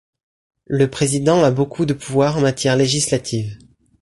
Le président a beaucoup de pouvoir en matière législative.